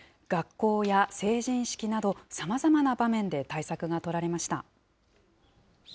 学校や成人式などさまざまな場面で対策が取られました。